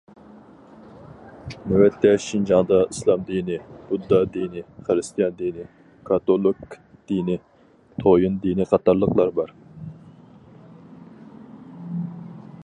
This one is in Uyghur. نۆۋەتتە، شىنجاڭدا ئىسلام دىنى، بۇددا دىنى، خىرىستىيان دىنى، كاتولىك دىنى، تويىن دىنى قاتارلىقلار بار.